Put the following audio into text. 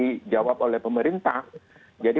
dijawab oleh pemerintah jadi